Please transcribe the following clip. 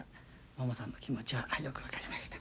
ももさんの気持ちはよく分かりました。